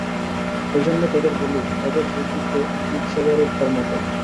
এইজন্য তোদের বলি, অভেদ-বুদ্ধিতে জীবসেবারূপ কর্ম কর।